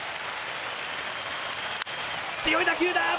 強い打球だ。